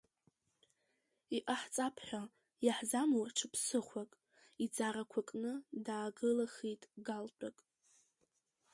Иҟаҳҵап ҳәа иаҳзамур ҽа ԥсыхәак, иӡарақәа кны даагылахит галтәык.